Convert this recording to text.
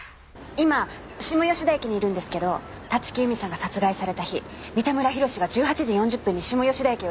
今下吉田駅にいるんですけど立木由美さんが殺害された日三田村弘が１８時４０分に下吉田駅を出た事がわかりました。